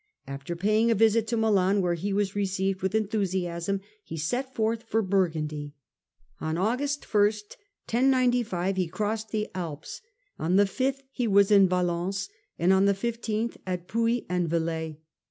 After paying a visit to Milan, where he was received with enthusiasm, he set forth for Burgundy. On. August 1 he crossed the Alps ; on the 5th he was in Valence, on the 15th at Puy and Velay.